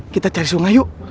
kita cari sungai yuk